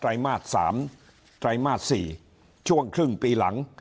ทรายมาตร๓ทรายมาตร๔ช่วงครึ่งปีหลัง